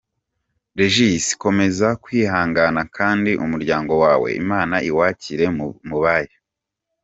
Regis? Komeza kwihangana Kandi umuryango wawe Imana iwakire mu bayo.